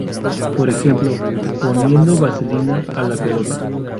Por ejemplo, poniendo vaselina a la pelota.